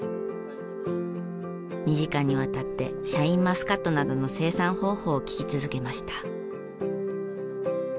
２時間にわたってシャインマスカットなどの生産方法を聞き続けました。